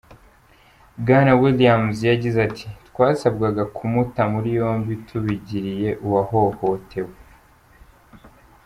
Bwana Williams yagize ati: "Twasabwaga kumuta muri yombi tubigiriye uwahohotewe.